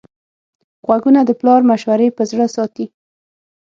غوږونه د پلار مشورې په زړه ساتي